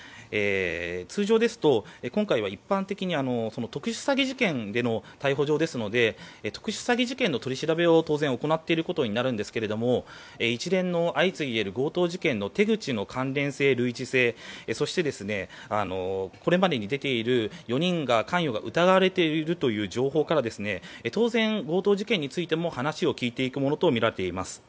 通常ですと、今回は一般的に特殊詐欺事件での逮捕状ですので特殊詐欺事件の取り調べを当然、行っていることになるんですが一連の相次いでいる強盗事件の手口の関連性類似性、そしてこれまでに出ている４人の関与が疑われているという情報から当然、強盗事件についても話を聞いていくものとみられます。